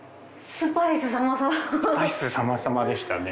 スパイスさまさまでしたね。